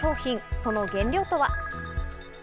その原料とは？